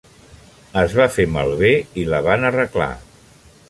Es va fer malbé i la van arreglar.